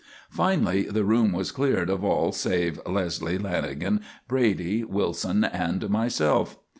Finally the room was cleared of all save, Leslie, Lanagan, Brady, Wilson, and myself.